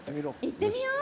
行ってみろう。